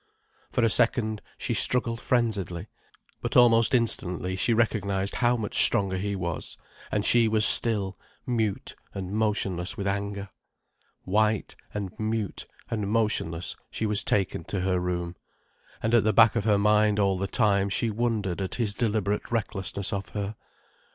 For a second, she struggled frenziedly. But almost instantly she recognized how much stronger he was, and she was still, mute and motionless with anger. White, and mute, and motionless, she was taken to her room. And at the back of her mind all the time she wondered at his deliberate recklessness of her.